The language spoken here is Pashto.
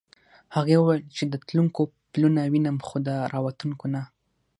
هغې وویل چې د تلونکو پلونه وینم خو د راوتونکو نه.